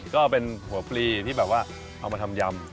ก็เป็นหัวปลีที่แบบว่าเอามาทำยำ